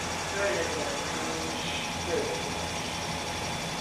Böyle gelmiş böyle gider.